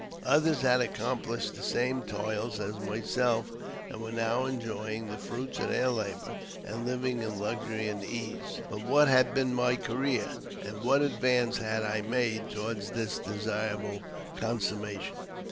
Others had accomplished the same toils as myself, and were now enjoying the fruits of their labour, and living in luxury and ease. But what had been my career ? and what advance had I made toward this desirable consummation